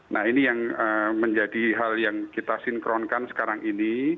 nah ini yang menjadi hal yang kita sinkronkan sekarang ini